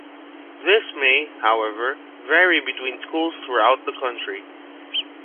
This may, however, vary between schools throughout the country.